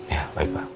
ya baik pak